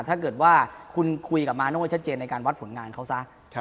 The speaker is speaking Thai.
ถ้าเกิดว่าคุณคุยกับมาโน่ชัดเจนในการวัดผลงานเขาซะ